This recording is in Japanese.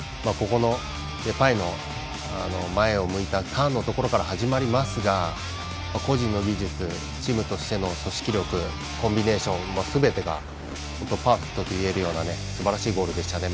デパイの前を向いたターンのところから始まりますが、個人の技術チームとしての組織力コンビネーションすべてがパーフェクトというようなすばらしいゴールでしたね。